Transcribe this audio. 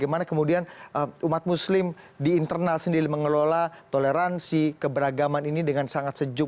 bagaimana kemudian umat muslim di internal sendiri mengelola toleransi keberagaman ini dengan sangat sejuk